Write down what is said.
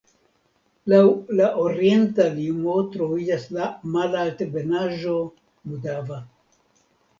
Laŭ la orienta limo troviĝas la malaltebenaĵo Mudava.